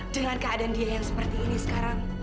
dengan keadaan dia yang seperti ini sekarang